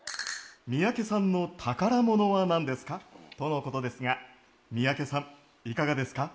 「三宅さんの宝物は何ですか？」とのことですが三宅さんいかがですか？